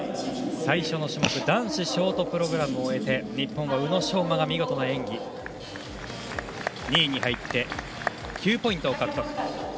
最初の種目男子ショートプログラムを終えて日本は宇野昌磨が見事な演技で２位に入って、９ポイントを獲得。